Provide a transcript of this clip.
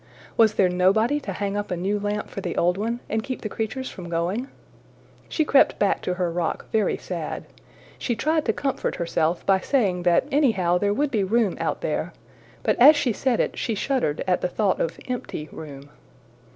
Was there nobody to hang up a new lamp for the old one, and keep the creatures from going? She crept back to her rock very sad. She tried to comfort herself by saying that anyhow there would be room out there; but as she said it she shuddered at the thought of empty room.